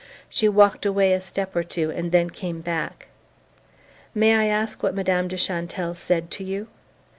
She walked away a step or two and then came back. "May I ask what Madame de Chantelle said to you?"